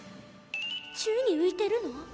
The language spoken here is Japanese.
「宙に浮いてるの？」